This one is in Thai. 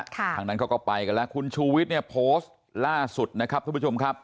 ทางนั้นเขาก็ไปกันแล้วคุณชูวิทย์เนี่ยโพสต์ล่าสุดนะครับทุกผู้ชมครับ